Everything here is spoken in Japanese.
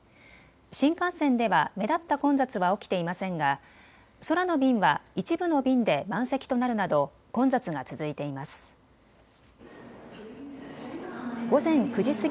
新幹線では目立った混雑は起きていませんが空の便は一部の便で満席となるなど混雑が続いています。